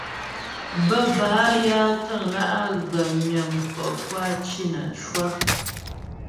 Bə́ bâ ya təŋlǎ' á ghə myə mkɔ puá cì nə́ cwə.